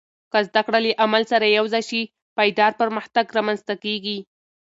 که زده کړه له عمل سره یوځای شي، پایدار پرمختګ رامنځته کېږي.